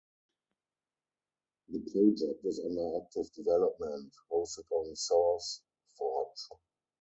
The project is under active development, hosted on SourceForge.